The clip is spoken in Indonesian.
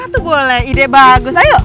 tuh boleh ide bagus ayo